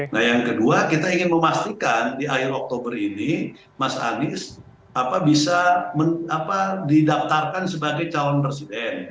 nah yang kedua kita ingin memastikan di akhir oktober ini mas anies bisa didaftarkan sebagai calon presiden